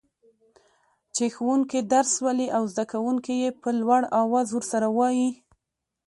چي ښوونکي درس لولي او زده کوونکي يي په لوړ اواز ورسره وايي.